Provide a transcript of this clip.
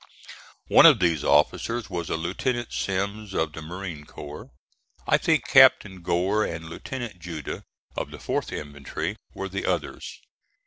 One of these officers was a Lieutenant Semmes, of the Marine Corps. I think Captain Gore, and Lieutenant Judah, of the 4th infantry, were the others.